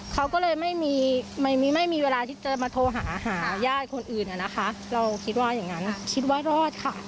เขาก็เลยไม่มีไม่มีเวลาที่จะมาโทรหาหาญาติคนอื่นนะคะเราคิดว่าอย่างนั้นคิดว่ารอดค่ะ